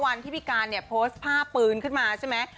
วันที่พี่การเนี่ยโพสต์ภาพปืนขึ้นมาใช่ไหม